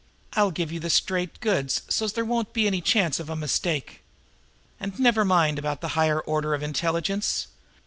I'll give you the straight goods so's there won't be any chance of a mistake. And never mind about the higher order of intelligence!